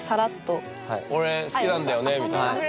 俺好きなんだよねみたいな。